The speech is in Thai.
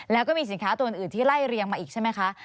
แล้วก็มีสินค้าตัวอื่นที่ไล่เรียงมาอีกใช่ไหมคะ